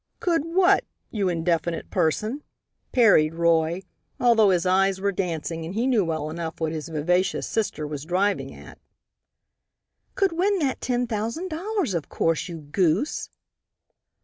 "Could what? you indefinite person?" parried Roy, although his eyes were dancing and he knew well enough what his vivacious sister was driving at. "Could win that ten thousand dollars, of course, you goose."